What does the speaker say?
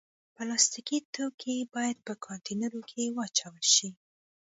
پلاستيکي توکي باید په کانټینرونو کې واچول شي.